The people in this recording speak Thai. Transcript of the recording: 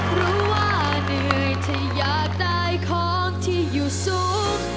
หรือว่าเหนื่อยที่อยากได้ของที่อยู่สูง